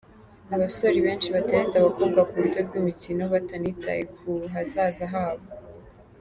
Abasore benshi batereta abakobwa ku buryo bw’imikino batanitaye ku hazaza habo.